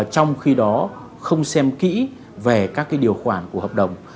trong khi đó không xem kỹ về các điều khoản của hợp đồng